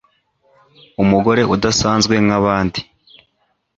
umugore udasanzwe nkabandi